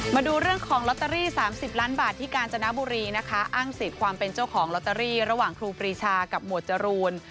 มาดูเรื่องของลอตเตอรี่๓๐ล้านบาทที่กาญจนบุรีนะคะอ้างสิทธิ์ความเป็นเจ้าของลอตเตอรี่ระหว่างครูปรีชากับหมวดจรูน